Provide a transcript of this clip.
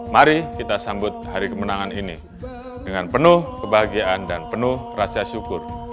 mari kita sambut hari kemenangan ini dengan penuh kebahagiaan dan penuh rasa syukur